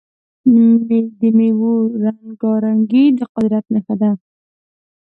د میوو رنګارنګي د قدرت نښه ده.